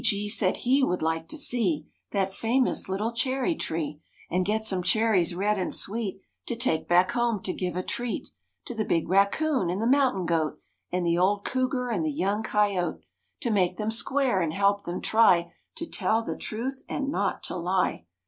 THE BEARS VISIT WASHINGTON 179 TEDDY G said he would like to see That famous little cherry tree And get some cherries red and sweet To take back home to give a treat To the big raccoon and the mountain goat And the old cougar and the young coyote, To make them square and help them try To tell the truth and not to lie.